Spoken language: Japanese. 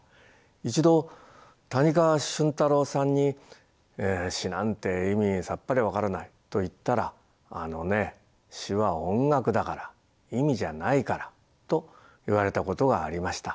一度谷川俊太郎さんに「詩なんて意味さっぱり分からない」と言ったら「あのね詩は音楽だから意味じゃないから」と言われたことがありました。